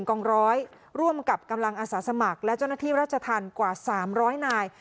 กองร้อยร่วมกับกำลังอาสาสมัครและเจ้าหน้าที่ราชธรรมกว่า๓๐๐นาย